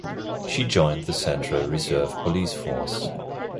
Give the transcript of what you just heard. She joined the Central Reserve Police Force.